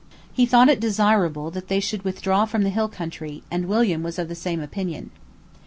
He thought it desirable that they should withdraw from the hill country; and William was of the same opinion.